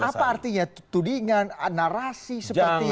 terus apa artinya tudingan narasi seperti yang itu